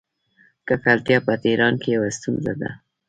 ککړتیا په تهران کې یوه ستونزه ده.